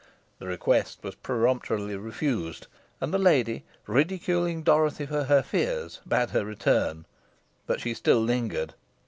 The request was peremptorily refused, and the lady, ridiculing Dorothy for her fears, bade her return; but she still lingered.